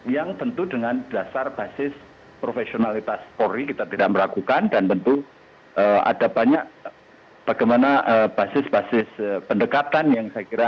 yang tentu dengan dasar basis profesionalitas polri kita tidak meragukan dan tentu ada banyak bagaimana basis basis pendekatan yang saya kira